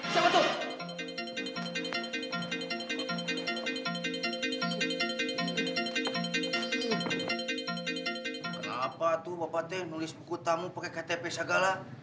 kenapa tuh bapak teh nulis buku tamu pakai ktp segala